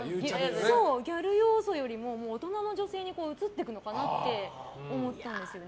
ギャル要素よりも大人の女性に移っていくのかなって思ったんですよね。